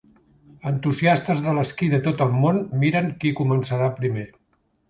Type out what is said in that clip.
Entusiastes de l'esquí de tot el món miren qui començarà primer.